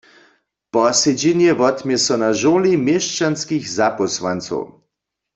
Posedźenje wotmě so na žurli měšćanskich zapósłancow.